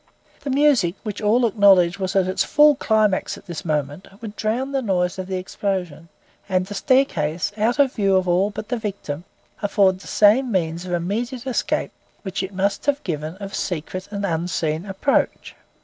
The music, which all acknowledge was at its full climax at this moment, would drown the noise of the explosion, and the staircase, out of view of all but the victim, afford the same means of immediate escape, which it must have given of secret and unseen approach.